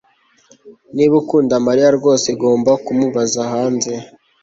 Niba ukunda Mariya rwose ugomba kumubaza hanze